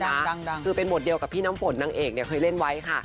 ดังคือเป็นบทเดียวกับพี่น้ำฝนนางเอกเนี่ยเคยเล่นไว้ค่ะ